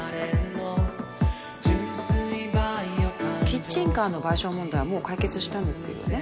キッチンカーの賠償問題はもう解決したんですよね？